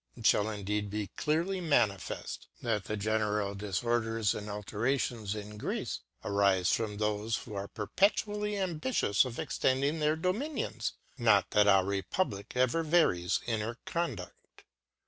It fhall indeed be clearly manifeft, that the general Dif orders and Alterations in Greece, arife from thofe, who are per petually ambitious of extending their Dominions, not that our Republic ever varies in her Condu6l.